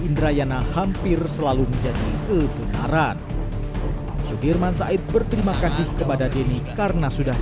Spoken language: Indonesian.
indrayana hampir selalu menjadi kebenaran sudirman said berterima kasih kepada denny karena sudah